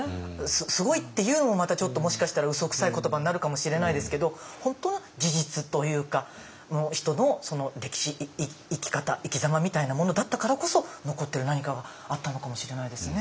すごいっていうのもまたちょっともしかしたらうそくさい言葉になるかもしれないですけど本当の事実というか人の歴史生き方生きざまみたいなものだったからこそ残ってる何かがあったのかもしれないですね。